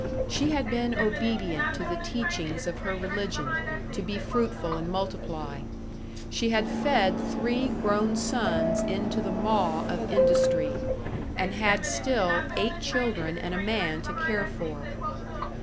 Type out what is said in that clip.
She had been obedient to the teachings of her religion, to be fruitful and multiply; she had fed three grown sons into the maw of industry, and had still eight children and a man to care for.